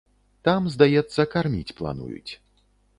Там, здаецца, карміць плануюць.